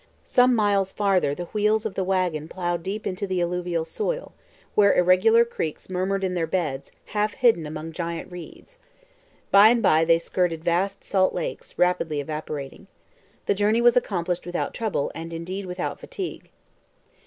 Some miles farther the wheels of the wagon plowed deep into the alluvial soil, where irregular creeks murmured in their beds, half hidden among giant reeds. By and by they skirted vast salt lakes, rapidly evaporating. The journey was accomplished without trouble, and, indeed, without fatigue.